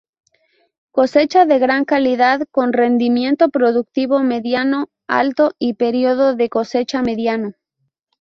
Cosecha de gran calidad con rendimiento productivo mediano-alto y periodo de cosecha mediano.